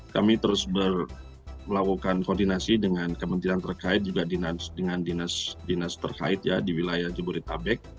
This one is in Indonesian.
kami terus melakukan koordinasi dengan kementerian terkait juga dengan dinas dinas terkait ya di wilayah jabodetabek